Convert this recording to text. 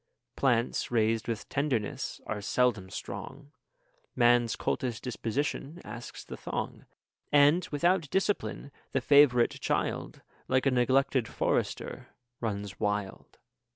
Plants raised with tenderness are seldom strong; Man's coltish disposition asks the thong; And, without discipline, the favourite child, Like a neglected forester, runs wild.